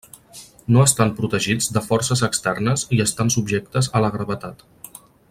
No estan protegits de forces externes i estan subjectes a la gravetat.